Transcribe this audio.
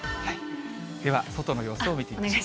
では、外の様子を見てみましょう。